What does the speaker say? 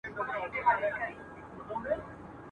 او تقریباً د خوښۍ !.